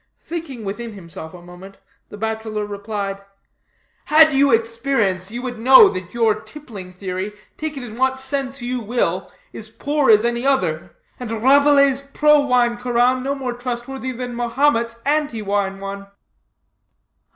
Thinking within himself a moment, the bachelor replied: "Had you experience, you would know that your tippling theory, take it in what sense you will, is poor as any other. And Rabelais's pro wine Koran no more trustworthy than Mahomet's anti wine one."